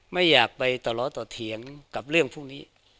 ไม่อยากไปต่อล้อต่อเถียงกับเรื่องพวกนี้